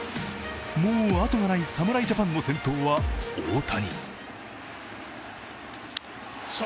もう後がない侍ジャパンの先頭は大谷。